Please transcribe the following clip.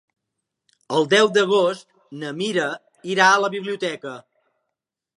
El deu d'agost na Mira irà a la biblioteca.